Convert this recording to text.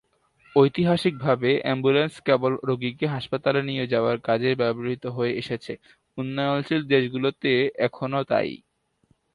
ঐতিহাসিকভাবে, অ্যাম্বুলেন্স কেবল রোগীকে হাসপাতালে নিয়ে যাওয়ার কাজেই ব্যবহৃত হয়ে এসেছে; উন্নয়নশীল দেশগুলোতে এখনও তাই।